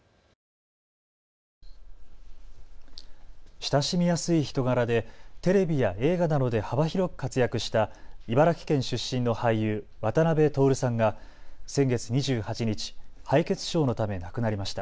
親しみやすい人柄でテレビや映画などで幅広く活躍した茨城県出身の俳優、渡辺徹さんが先月２８日、敗血症のため亡くなりました。